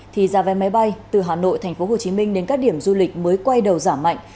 thì giá vé máy bay từ hà nội tp hcm đến các điểm du lịch mới quay đầu giảm mạnh